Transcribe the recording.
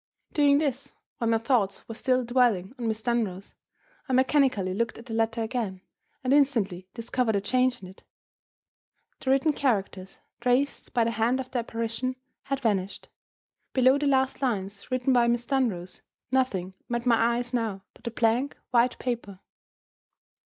Doing this (while my thoughts were still dwelling on Miss Dunross), I mechanically looked at the letter again and instantly discovered a change in it. The written characters traced by the hand of the apparition had vanished! Below the last lines written by Miss Dunross nothing met my eyes now but the blank white paper!